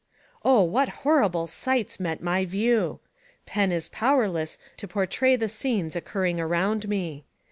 Oh, what horrible sights met my view! Pen is powerless to portray the scenes occurring around me.